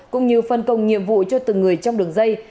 cũng như phân công nhiệm vụ cho từng người trong đường dây